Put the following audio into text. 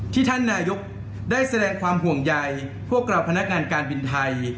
ท่านนายกได้แสดงความห่วงใยพวกเราพนักงานการบินไทย